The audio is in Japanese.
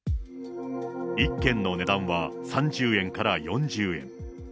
１件の値段は３０円から４０円。